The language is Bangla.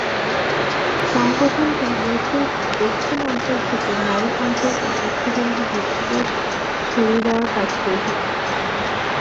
সংগঠনটি বৈশ্বিক দক্ষিণ অঞ্চল থেকে নারীর কণ্ঠ ও দৃষ্টিভঙ্গি বিশ্বে ছড়িয়ে দেওয়ার কাজ করে থাকে।